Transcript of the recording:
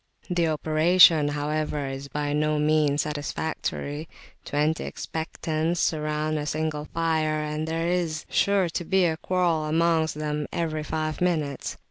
The operation, however, is by no means satisfactory; twenty expectants surround the single fire, and there is sure to be a quarrel amongst them every five minutes.